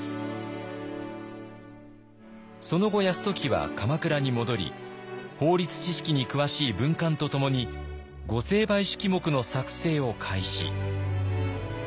その後泰時は鎌倉に戻り法律知識に詳しい文官と共に御成敗式目の作成を開始。